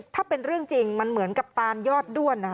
ถ้าเป็นเรื่องจริงมันเหมือนกับตานยอดด้วนนะคะ